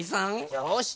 よし！